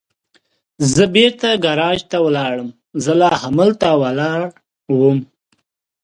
زه بېرته ګاراج ته ولاړم، زه لا همالته ولاړ ووم.